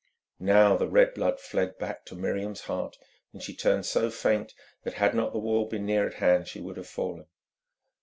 Now the red blood fled back to Miriam's heart, and she turned so faint that had not the wall been near at hand she would have fallen.